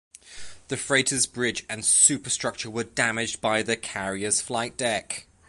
The freighter's bridge and superstructure were damaged by the carrier's flight-deck.